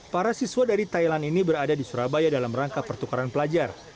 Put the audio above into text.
para siswa dari thailand ini berada di surabaya dalam rangka pertukaran pelajar